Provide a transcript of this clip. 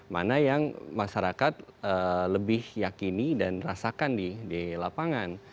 mana yang masyarakat lebih yakini dan rasakan di lapangan